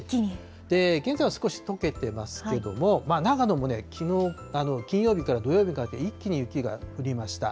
で、現在は少しとけてますけども、長野もきのう、金曜日から土曜日にかけて、一気に雪が降りました。